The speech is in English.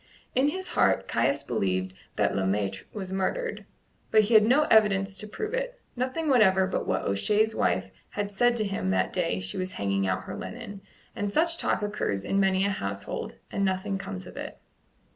In his heart Caius believed that Le Maître was murdered; but he had no evidence to prove it nothing whatever but what O'Shea's wife had said to him that day she was hanging out her linen, and such talk occurs in many a household, and nothing comes of it.